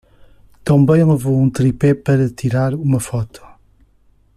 Também levou um tripé para tirar uma foto